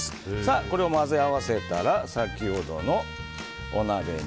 これを混ぜ合わせたら先ほどのお鍋に。